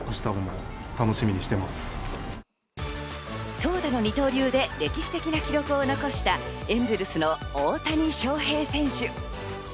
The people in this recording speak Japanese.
投打の二刀流で歴史的な記録を残したエンゼルスの大谷翔平選手。